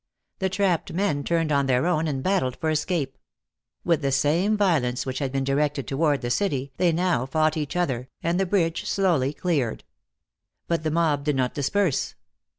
The trapped men turned on their own and battled for escape. With the same violence which had been directed toward the city they now fought each other, and the bridge slowly cleared. But the mob did not disperse.